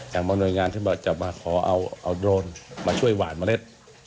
อย่างนายที่จะขอเอาโดรนมาช่วยหวานเมล็ด